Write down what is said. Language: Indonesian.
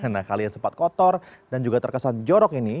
nah kalian sempat kotor dan juga terkesan jorok ini